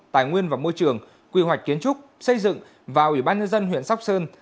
tài nguyên và môi trường quy hoạch kiến trúc xây dựng và ubnd huyện sóc sơn